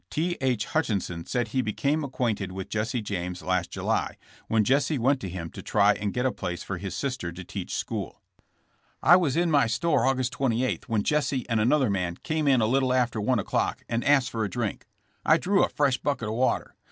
T. H. Hutchison said he became acquainted with Jesse James last July, when Jesse went to him to try and get a place for his lister to teach school. *'I was in my store August 28 when Jesse and another man came in. a little after one o^clock and asked for a drink. I drew a fresh bucket of water.